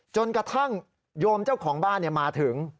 จนกระทั่งโยมเจ้าของบ้านมาถึง